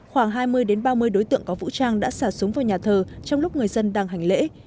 khoảng hai mươi ba mươi đối tượng có vũ trang đã xả súng vào nhà thờ trong lúc người dân đang hành lễ